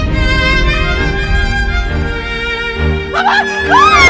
sampai jumpa di video selanjutnya